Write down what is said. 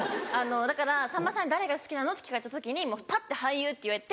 だからさんまさんに誰が好きなの？って聞かれた時ぱって「俳優」って言えて